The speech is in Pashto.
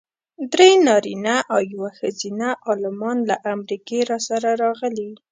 درې نارینه او یوه ښځینه عالمان له امریکې راسره راغلي.